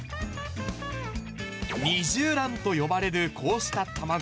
二重卵と呼ばれるこうした卵。